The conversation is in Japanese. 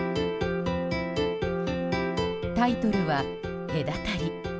タイトルは「隔たり」。